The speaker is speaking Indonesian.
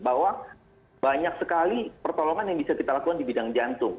bahwa banyak sekali pertolongan yang bisa kita lakukan di bidang jantung